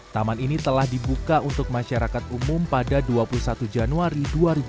taman ini telah dibuka untuk masyarakat umum pada dua puluh satu januari dua ribu dua puluh